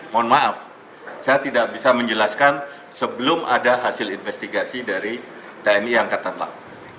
mohon maaf saya tidak bisa menjelaskan sebelum ada hasil investigasi dari tni angkatan laut